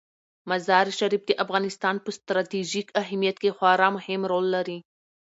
مزارشریف د افغانستان په ستراتیژیک اهمیت کې خورا مهم رول لري.